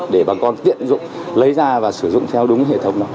để bà con tiện dụng lấy ra và sử dụng theo đúng hệ thống đó